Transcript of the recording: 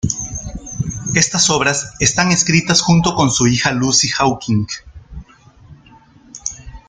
Estas obras están escritas junto con su hija Lucy Hawking.